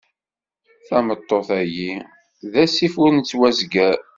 Tameṭṭut-agi d asif ur nettwazgar.